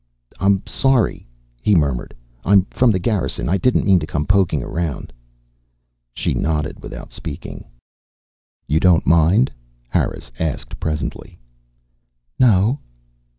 "I'm sorry," he murmured. "I'm from the Garrison. I didn't mean to come poking around." She nodded without speaking. "You don't mind?" Harris asked presently. "No."